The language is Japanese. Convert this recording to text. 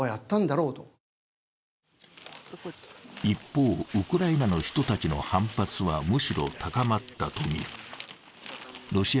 一方、ウクライナの人たちの反発はむしろ高まったと見る。